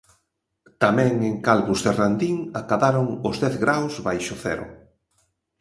Tamén en Calvos de Randín acadaron os dez graos baixo cero.